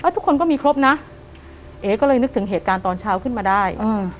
ทุกคนก็มีครบนะเอ๊ก็เลยนึกถึงเหตุการณ์ตอนเช้าขึ้นมาได้